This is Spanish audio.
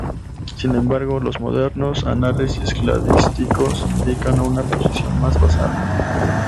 Sin embargo, los modernos análisis cladísticos indican una posición más basal.